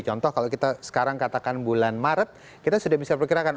contoh kalau kita sekarang katakan bulan maret kita sudah bisa perkirakan